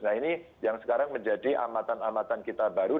nah ini yang sekarang menjadi amatan amatan kita baru